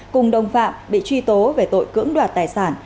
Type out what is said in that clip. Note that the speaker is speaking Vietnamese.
cùng đồng phạm bị truy tố về tội cưỡng đoạt tài sản